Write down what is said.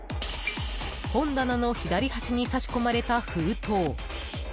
本棚の左端に差し込まれた封筒。